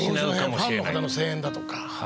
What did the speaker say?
ファンの方の声援だとか。